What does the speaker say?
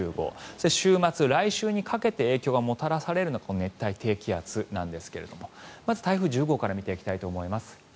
そして週末、来週にかけて影響がもたらされるのが熱帯低気圧なんですがまず、台風１０号から見ていきたいと思います。